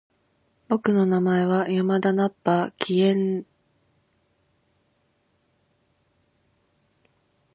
僕の名前は山田ナッパ！気円斬！